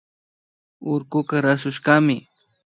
Urkuka rasushkami